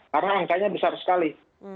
karena angkanya besar sekali